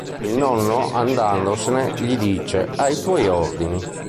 Il nonno andandosene gli dice: "ai tuoi ordini".